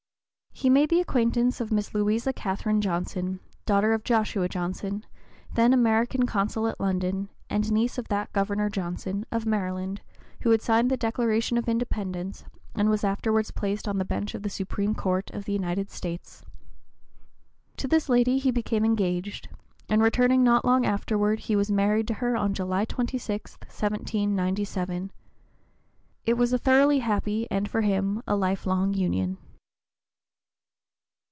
He made the acquaintance of Miss Louisa Catherine Johnson, daughter of Joshua Johnson, then American Consul at London, and niece of that Governor Johnson, of Maryland, who had signed the Declaration of Independence and was afterwards placed on the bench of the Supreme Court of (p. 023) the United States. To this lady he became engaged; and returning not long afterward he was married to her on July 26, 1797. It was a thoroughly happy and, for him, a life long union.